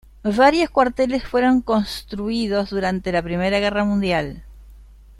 Varios cuarteles fueron construidos durante la Primera Guerra Mundial.